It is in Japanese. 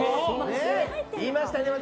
言いましたね、私。